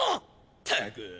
ったく！